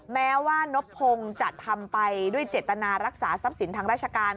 แม้ว่านบพงศ์จะทำไปด้วยเจตนารักษาทรัพย์สินทางราชการ